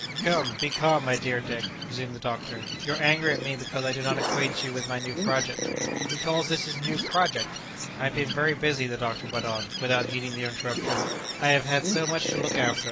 "Come, be calm, my dear Dick!" resumed the doctor. "You're angry at me because I did not acquaint you with my new project." "He calls this his new project!" "I have been very busy," the doctor went on, without heeding the interruption; "I have had so much to look after!